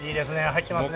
入ってますね。